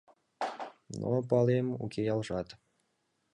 Но, палем, уке ялжат.